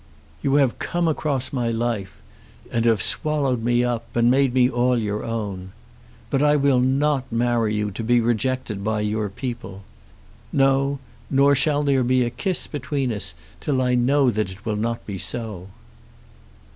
You have come across my life, and have swallowed me up, and made me all your own. But I will not marry you to be rejected by your people. No; nor shall there be a kiss between us till I know that it will not be so."